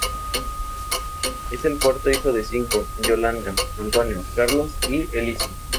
Es el cuarto hijo de cinco: Yolanda, Antonio, Carlos y Elisa.